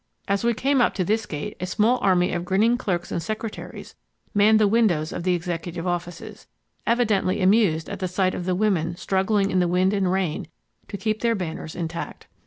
As we came up to this gate a small army of grinning clerks and secretaries manned the windows of the Executive offices, evidently amused at the sight of the women struggling in the wind and rain to keep their banners intact.